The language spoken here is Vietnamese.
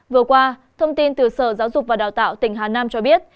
vừa qua thông tin từ sở giáo dục và đào tạo tỉnh hà nam cho biết